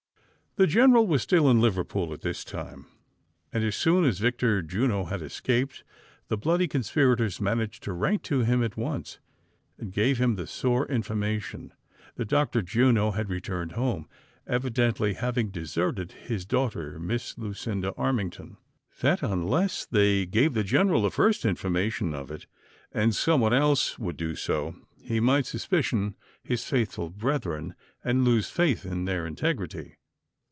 The general was still in Liverpool at this time ; and as soon as Victor Juno had escaped, the bloody conspirators managed to write to him at once, and gave him the sore information tliat Dr. Juno had returned home, evidently having deserted his daughter, Miss Lucinda Armington. That unless they gave the general the first information of it, and some one else would do so, he might suspicion his faithful (?) brethren, and lose faith in their integrity.